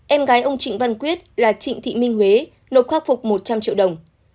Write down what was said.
em gái ông trịnh văn quyết là trịnh thị minh huế nộp khắc phục một trăm linh triệu đồng